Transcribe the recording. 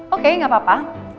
oke gak apa apa